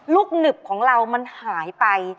หนึบของเรามันหายไป